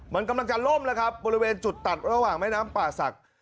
มันกำลังจะล่มแล้วครับบริเวณจุดตัดระหว่างแม่น้ำป่าศักดิ์